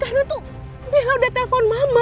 karena tuh bella udah telpon mama